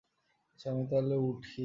আচ্ছা, আমি তাহলে উঠি।